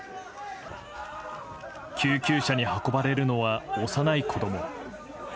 救急車に運ばれるのは幼い子供。